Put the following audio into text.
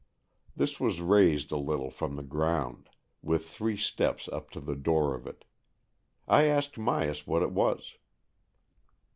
This was raised a little from the ground, with three steps up to the door of it. I asked Myas what it was.